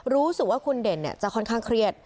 รู้สึกว่าคุณเด่นจะค่อนข้างเครียด